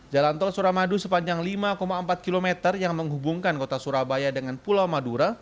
jalan tol suramadu sepanjang lima empat km yang menghubungkan kota surabaya dengan pulau madura